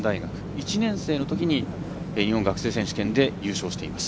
１年生のときに日本学生選手権で優勝しています。